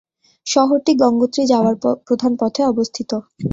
শহরটি গঙ্গোত্রী যাওয়ার প্রধান পথে অবস্থিত।